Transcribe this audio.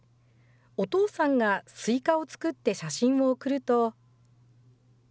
お父さんがスイカを作って写真を送ると。